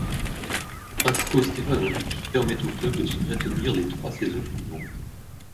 Rastko Stefanović permet au club de se maintenir les trois saisons suivantes.